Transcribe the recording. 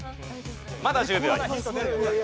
まだ１０秒あります。